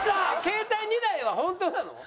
携帯２台はホントなの？